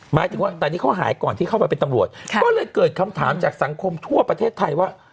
หมายถึงว่าแต่นี่เขาหายก่อนที่เข้าไปเป็นตำรวจก็เลยเกิดคำถามจากสังคมทั่วประเทศไทยว่า